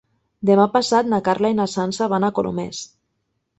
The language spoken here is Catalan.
Demà passat na Carla i na Sança van a Colomers.